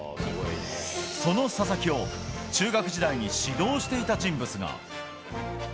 その佐々木を中学時代に指導していた人物が。